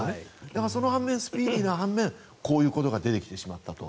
だからスピーディーな半面こういうことが出てきてしまったと。